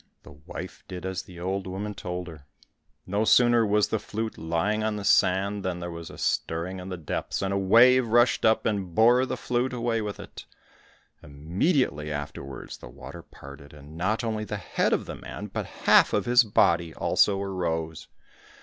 The wife did as the old woman told her. No sooner was the flute lying on the sand than there was a stirring in the depths, and a wave rushed up and bore the flute away with it. Immediately afterwards the water parted, and not only the head of the man, but half of his body also arose.